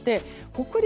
北陸